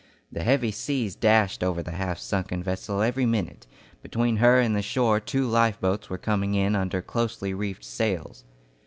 The heavy seas dashed over the half sunken vessel every minute; between her and the shore two lifeboats were coming in under closely reefed sails.